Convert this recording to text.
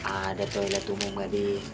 ada toilet umum gak din